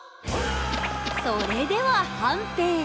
それでは判定！